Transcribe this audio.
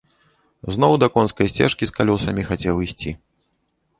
Зноў да конскай сцежкі з калёсамі хацеў ісці.